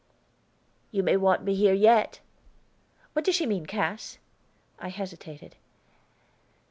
"You may want me here yet." "What does she mean, Cass?" I hesitated.